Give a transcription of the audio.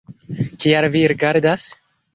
Kial vi rigardas?